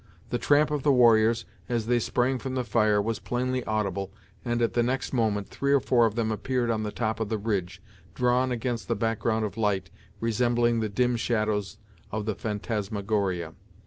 The tramp of the warriors, as they sprang from the fire, was plainly audible, and at the next moment three or four of them appeared on the top of the ridge, drawn against the background of light, resembling the dim shadows of the phantasmagoria.